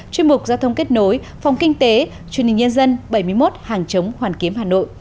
chuyên mục giao thông kết nối phòng kinh tế truyền hình nhân dân bảy mươi một hàng chống hoàn kiếm hà nội